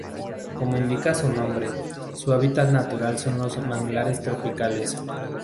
Como indica su nombre, su hábitat natural son los manglares tropicales.